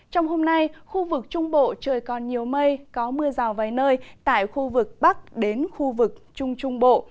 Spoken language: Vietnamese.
trong hôm nay khu vực trung bộ trời còn nhiều mây có mưa rào vài nơi tại khu vực bắc đến khu vực trung trung bộ